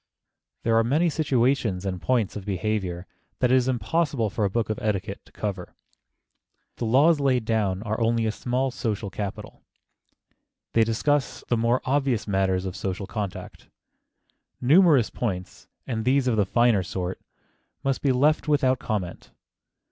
There are many situations and points of behavior that it is impossible for a book of etiquette to cover. The laws laid down are only a small social capital. They discuss the more obvious matters of social contact. Numerous points,—and these of the finer sort,—must be left without comment.